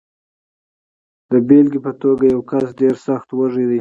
د بېلګې په توګه، یو کس ډېر سخت وږی دی.